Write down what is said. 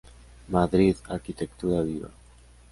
Madrid, Arquitectura Viva.